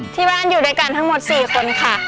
ที่บ้านอยู่ด้วยกันทั้งหมด๔คนค่ะ